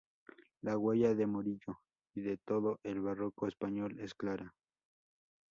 La huella de Murillo y de todo el Barroco español es clara.